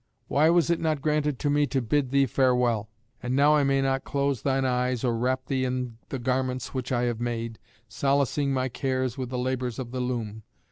Why was it not granted to me to bid thee farewell? And now I may not close thine eyes or wrap thee in the garments which I have made, solacing my cares with the labours of the loom.